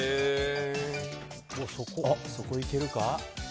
そこ、いけるか？